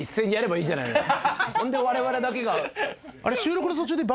なんで我々だけが。